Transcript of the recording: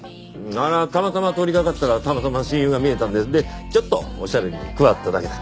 あれはたまたま通りかかったらたまたま親友が見えたんででちょっとおしゃべりに加わっただけだ。